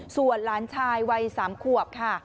ส่วนหลานชายวัย๓ขวบค่ะ